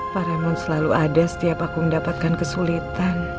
pak raymond selalu ada setiap aku mendapatkan kesulitan